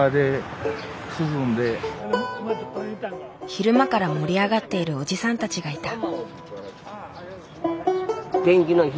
昼間から盛り上がっているおじさんたちがいた。